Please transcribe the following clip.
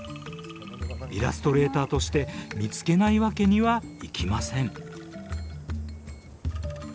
イラストレーターとして見つけないわけにはいきません。